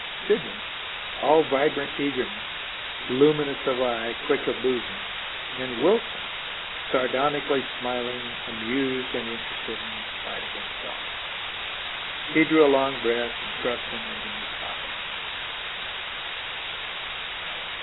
Sidney, all vibrant eagerness, luminous of eye, quick of bosom; and Wilson, sardonically smiling, amused and interested in spite of himself. He drew a long breath, and thrust the note in his pocket.